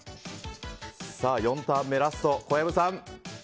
４ターン目、ラスト小籔さん。